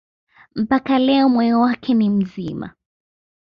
Mpaka leo moyo wake ni mzima.